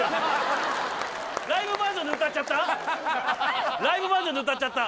ライブバージョンで歌っちゃった？